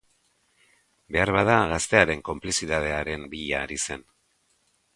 Beharbada gaztearen konplizitatearen bila ari zen.